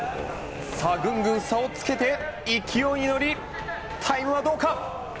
ぐんぐん差をつけて勢いに乗り、タイムはどうか。